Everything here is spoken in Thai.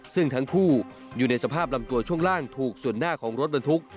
ซึ่งทั้งคู่อยู่ในสภาพลำตัวช่วงล่างถูกส่วนหน้าของรถบรรทุก